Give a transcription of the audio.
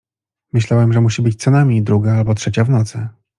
Myślałem, że musi być co najmniej druga albo trzecia w nocy.